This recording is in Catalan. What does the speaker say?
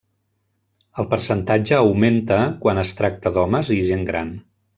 El percentatge augmenta quan es tracta d'homes i gent gran.